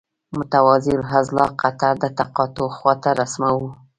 متوازی الاضلاع قطر د تقاطع خواته رسموو.